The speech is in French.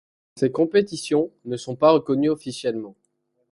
Ces compétitions ne sont pas reconnues officiellement.